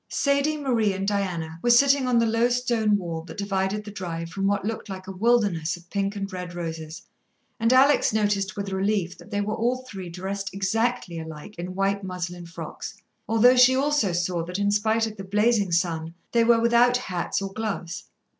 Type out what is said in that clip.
Sadie, Marie and Diana were sitting on the low stone wall that divided the drive from what looked like a wilderness of pink and red roses, and Alex noticed with relief that they were all three dressed exactly alike in white muslin frocks, although she also saw that in spite of the blazing sun they were without hats or gloves.